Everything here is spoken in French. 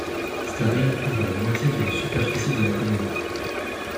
Staden couvre la moitié de la superficie de la commune.